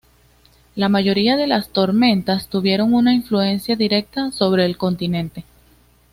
La mayoría de las tormentas tuvieron una influencia directa sobre el continente.